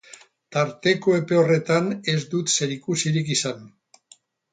Tarteko epe horretan ez dut zerikusirik izan.